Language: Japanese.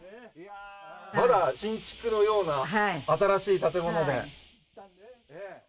まだ新築のような新しい建物で。